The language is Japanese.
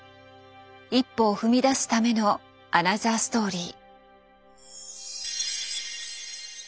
一歩を踏み出すためのアナザーストーリー。